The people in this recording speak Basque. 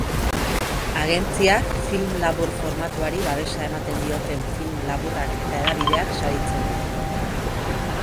Agentziak film labur formatuari babesa ematen dioten film laburrak eta hedabideak saritzen ditu.